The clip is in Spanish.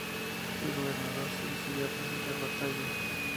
El gobernador se decidió a presentar batalla.